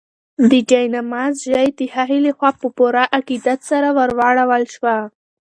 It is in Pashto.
د جاینماز ژۍ د هغې لخوا په پوره عقیدت سره ورواړول شوه.